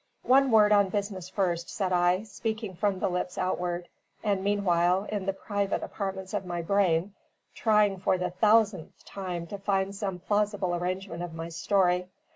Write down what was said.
"One word on business first," said I, speaking from the lips outward, and meanwhile (in the private apartments of my brain) trying for the thousandth time to find some plausible arrangement of my story.